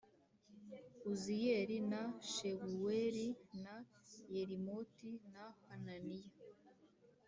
Uziyeli na Shebuweli na Yerimoti na Hananiya